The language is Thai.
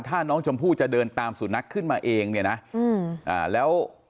ถ้าน้องชมพู่จะเดินตามสุนัขขึ้นมาเองเนี่ยนะอืมอ่าแล้ว